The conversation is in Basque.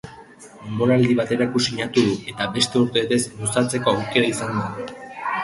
Denboraldi baterako sinatuko du, eta beste urtebetez luzatzeko aukera izango du.